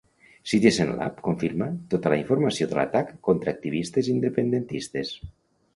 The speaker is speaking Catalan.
Citizen Lab confirma tota la informació de l'atac contra activistes independentistes.